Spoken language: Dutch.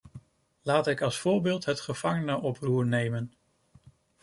Laat ik als voorbeeld het gevangenenoproer nemen.